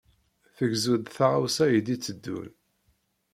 Segzu-d taɣawsa i d-iteddun.